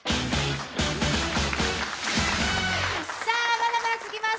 まだまだ続きます